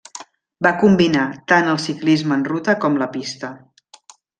Va combinar tant el ciclisme en ruta com la pista.